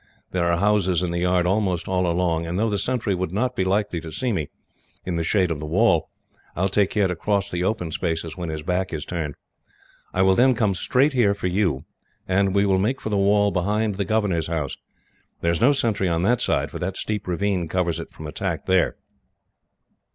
There are houses in the yard almost all along, and though the sentry would not be likely to see me, in the shade of the wall, I will take care to cross the open spaces when his back is turned. I will then come straight here for you, and we will make for the wall behind the governor's house. There is no sentry on that side, for that steep ravine covers it from attack there.